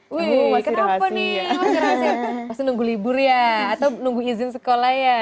kenapa nih masih rahasia pasti nunggu libur ya atau nunggu izin sekolah ya